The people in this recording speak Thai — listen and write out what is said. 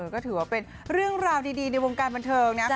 ก็ถือว่าเป็นเรื่องราวดีในวงการบันเทิงนะครับ